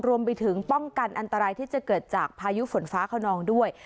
รวมไปถึงป้องกันอันตรายที่จะเกิดจากพายุฝนฟ้าขนองด้วย